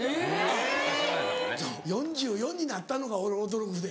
４４になったのが俺驚くで。